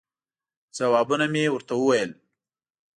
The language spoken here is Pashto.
ځوابونه مې ورته وویل.